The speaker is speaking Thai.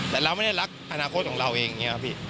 แต่เราไม่ได้รักอนาคตของเราเองอย่างนี้ครับพี่